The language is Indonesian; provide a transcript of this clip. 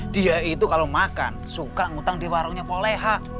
dia itu kalau makan suka ngutang di warungnya poleha